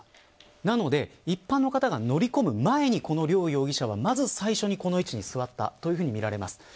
なので一般の方が乗り込む前にこの両容疑者は、まず最初にこの位置に座ったとみられます。